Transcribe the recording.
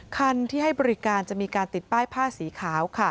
คันที่ให้บริการจะมีการติดป้ายผ้าสีขาวค่ะ